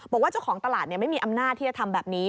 บอกว่าเจ้าของตลาดไม่มีอำนาจที่จะทำแบบนี้